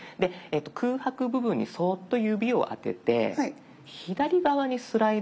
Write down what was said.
空白部分にそっと指をあてて左側にスライドさせてみましょう。